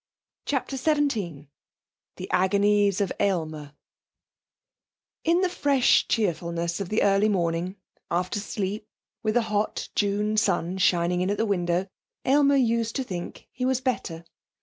CHAPTER XVII The Agonies of Aylmer In the fresh cheerfulness of the early morning, after sleep, with the hot June sun shining in at the window, Aylmer used to think he was better.